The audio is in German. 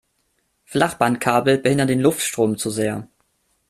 Flachbandkabel behindern den Luftstrom zu sehr.